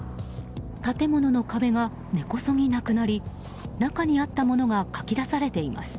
建物の壁が根こそぎなくなり中にあったものがかき出されています。